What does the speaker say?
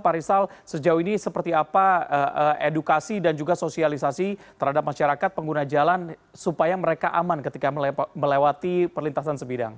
pak rizal sejauh ini seperti apa edukasi dan juga sosialisasi terhadap masyarakat pengguna jalan supaya mereka aman ketika melewati perlintasan sebidang